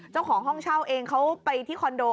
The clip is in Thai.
เจ้าของห้องเช่าเองเขาไปที่คอนโด